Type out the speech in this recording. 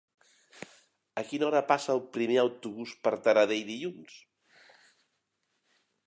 A quina hora passa el primer autobús per Taradell dilluns?